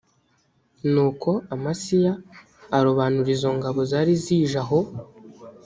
nuko amasiya arobanura izo ngabo zari zije aho